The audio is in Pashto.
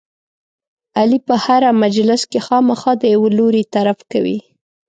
علي په هره مجلس کې خامخا د یوه لوري طرف کوي.